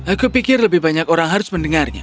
aku pikir lebih banyak orang harus mendengarnya